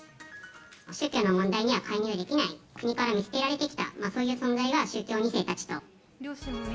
宗教の問題には介入できない、国から見捨てられてきた、そういう存在が宗教２世たちと。